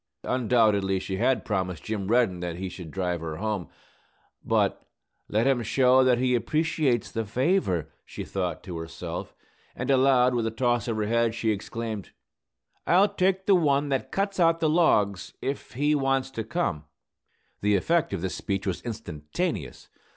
Undoubtedly, she had promised Jim Reddin that he should drive her home. But "let him show that he appreciates the favor," she thought to herself; and aloud, with a toss of her head, she exclaimed, "I'll take the one that cuts out the logs, if he wants to come!" The effect of this speech was instantaneous.